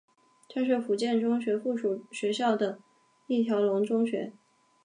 它是福建中学附属学校的一条龙中学。